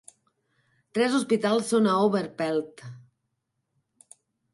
Tres hospitals són a Overpelt.